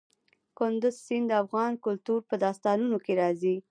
کندز سیند د افغان کلتور په داستانونو کې راځي.